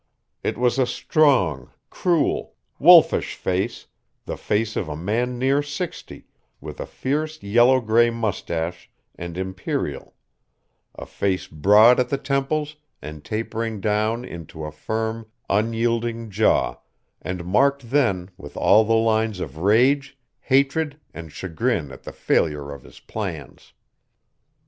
It was a strong, cruel, wolfish face the face of a man near sixty, with a fierce yellow gray mustache and imperial a face broad at the temples and tapering down into a firm, unyielding jaw, and marked then with all the lines of rage, hatred, and chagrin at the failure of his plans.